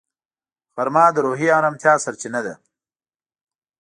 غرمه د روحي ارامتیا سرچینه ده